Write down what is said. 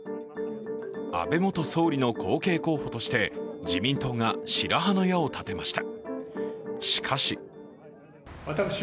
安倍元総理の後継候補として自民党が白羽の矢を立てました。